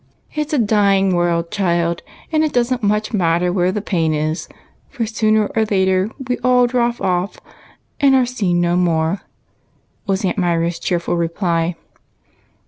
"It's a dying world, child, and it don't much matter where the pain is, for sooner or later we all drop off and are seen no more," was Aunt Myra's cheerful reply.